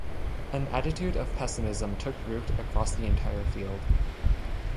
An attitude of pessimism took root across the entire field.